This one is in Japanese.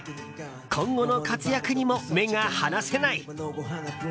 今後の活躍にも目が離せない。